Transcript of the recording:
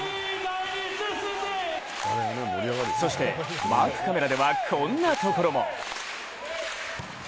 そして、マークカメラではこんなところも。